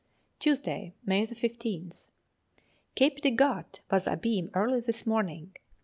Tuesday, May 15th. Cape de Gat was abeam early this morning.